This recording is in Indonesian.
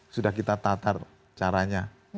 sudah kita tatar caranya